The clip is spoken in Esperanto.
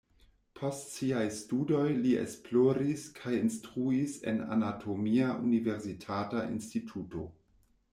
Post siaj studoj li esploris kaj instruis en anatomia universitata instituto.